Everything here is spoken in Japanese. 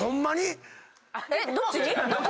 えっ？どっちに？